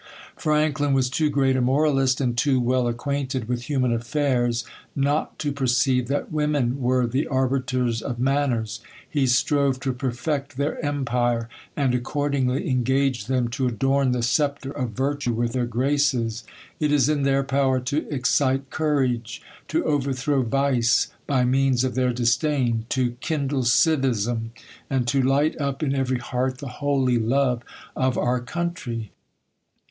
Franklin was too great a moralist, and too well acquainted with human affairs, not to perceive that women were the arbiters of manners. He strove to perfect their empire ; and accordingly engaged them to adorn the sceptre of virtue with their graces. It is in their power to excite courage ; to overthrow vice, by means of their disdain ; to kindle civism, and to light .;p ill every heart the holy love of our country.